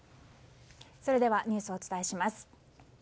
それではニュースをお伝えします。